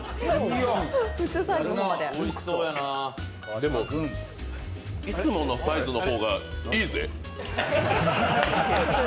でも、いつものサイズの方がいいぜ。